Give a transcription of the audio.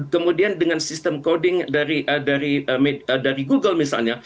kemudian dengan sistem coding dari google misalnya